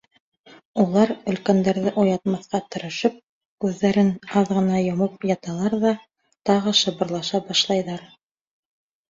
Улар, өлкәндәрҙе уятмаҫҡа тырышып, күҙҙәрен аҙ ғына йомоп яталар ҙа тағы шыбырлаша башлайҙар.